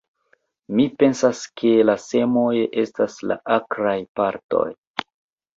Mi pensas, ke la semoj estas la akraj partoj.